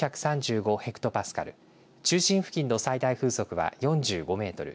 ヘクトパスカル中心付近の最大風速は４５メートル